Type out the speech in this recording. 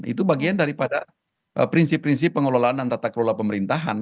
itu bagian daripada prinsip prinsip pengelolaan dan tata kelola pemerintahan